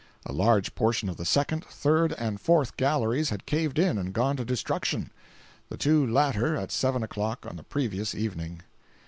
A large portion of the second, third and fourth galleries had caved in and gone to destruction—the two latter at seven o'clock on the previous evening.